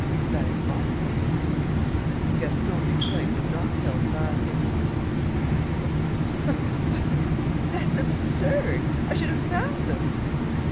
"That's my opinion." Gaston Dutreuil could not help laughing: "But that's absurd! I should have found them!"